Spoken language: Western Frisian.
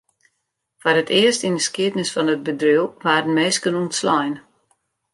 Foar it earst yn 'e skiednis fan it bedriuw waarden minsken ûntslein.